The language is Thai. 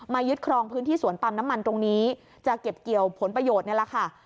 ยึดครองพื้นที่สวนปั๊มน้ำมันตรงนี้จะเก็บเกี่ยวผลประโยชน์นี่แหละค่ะ